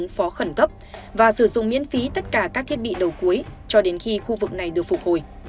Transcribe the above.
ứng phó khẩn cấp và sử dụng miễn phí tất cả các thiết bị đầu cuối cho đến khi khu vực này được phục hồi